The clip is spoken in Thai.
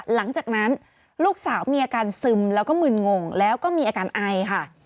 หลังจากนั้นลูกสาวมีอาการซึมแล้วก็มึนงงแล้วก็มีอาการไอค่ะ